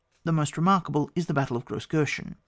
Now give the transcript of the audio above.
The most re , markable is the battle of Q ross gorschen.